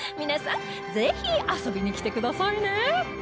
ぜひ遊びに来てくださいね